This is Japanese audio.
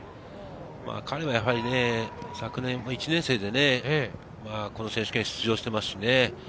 彼はやはりね昨年１年生で、この選手権に出場していますしね。